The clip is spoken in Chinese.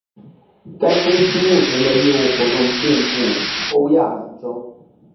该公司目前的业务活动遍布欧亚两洲。